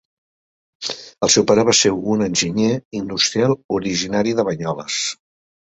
El seu pare va ser un enginyer industrial originari de Banyoles.